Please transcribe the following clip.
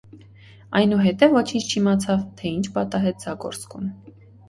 Այնուհետև ոչինչ չիմացավ, թե ինչ պատահեց Զագորսկուն: